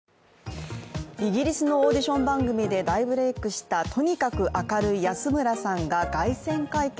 イギリスのオーディション番組で大ブレークしたとにかく明るい安村さんが凱旋会見。